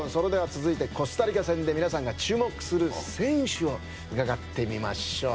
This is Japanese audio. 続いてはコスタリカ戦で皆さんが注目する選手を伺ってみましょう。